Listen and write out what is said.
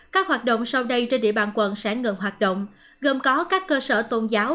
các hoạt động sau đây trên địa bàn quận sẽ ngừng hoạt động gồm có các cơ sở tôn giáo